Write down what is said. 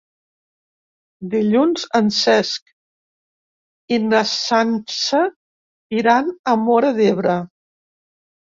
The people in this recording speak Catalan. Dilluns en Cesc i na Sança iran a Móra d'Ebre.